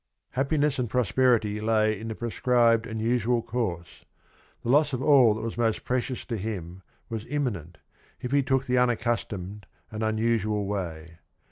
Happiness and prosperity lay in the prescribed and usual course; the loss of all that was most precious to him was imminent if he took the unaccustomed and unusual way.